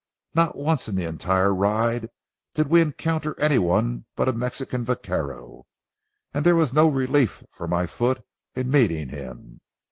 Not once in the entire ride did we encounter any one but a Mexican vaquero, and there was no relief for my foot in meeting him!